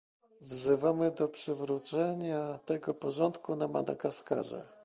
Wzywamy do przywrócenia tego porządku na Madagaskarze!